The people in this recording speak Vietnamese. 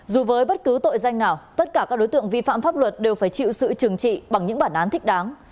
dù với bất cứ tội danh nào tất cả các đối tượng vi phạm pháp luật đều phải chịu sự trừng trị bằng những bản án thích đáng